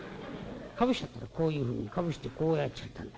かぶしちゃったらこういうふうにかぶしてこうやっちゃったんだ。